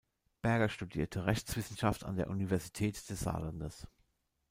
Berger studierte Rechtswissenschaft an der Universität des Saarlandes.